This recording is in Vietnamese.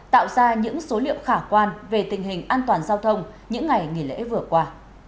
tạo ra những số liệu khả quan về tình hình an toàn giao thông những ngày nghỉ lễ vừa qua